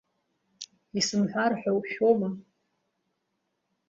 Исымҳәар ҳәа ушәома.